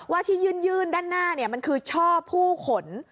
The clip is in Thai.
ที่ยื่นด้านหน้ามันคือช่อผู้ขน